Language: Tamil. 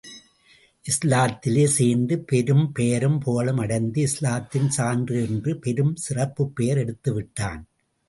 இஸ்லாத்திலே சேர்ந்து பெரும் பெயரும் புகழும் அடைந்து, இஸ்லாத்தின் சான்று என்று பெரும் சிறப்புப்பெயர் எடுத்துவிட்டான்.